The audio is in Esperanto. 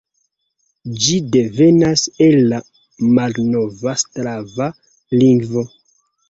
Ĝi devenas el la malnova slava lingvo.